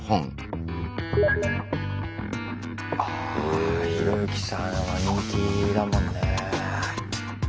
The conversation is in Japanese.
あひろゆきさんは人気だもんね。